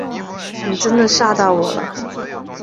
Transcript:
你真的吓到我了